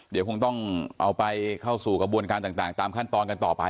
เดี๋ยวคงต้องเอาไปเข้าสู่กระบวนการต่างตามขั้นตอนกันต่อไป